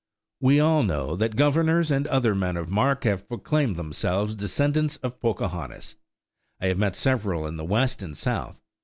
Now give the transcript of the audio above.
We all know that governors and other men of mark have proclaimed themselves descendants of Pocahontas; I have met several in the West and South.